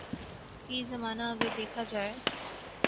فی زمانہ اگر دیکھا جائے